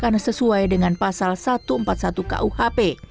karena sesuai dengan pasal satu ratus empat puluh satu kuhp